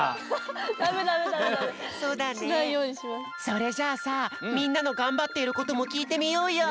それじゃあさみんなのがんばっていることもきいてみようよ。